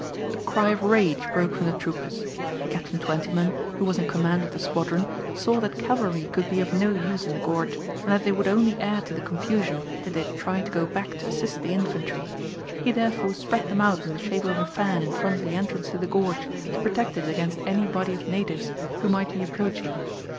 A cry of rage broke from the troopers. Captain Twentyman, who was in command of the squadron, saw that cavalry could be of no use in the gorge, and that they would only add to the confusion did they try to go back to assist the infantry. He therefore spread them out in the shape of a fan in front of the entrance to the gorge, to protect it against any body of natives who might be approaching.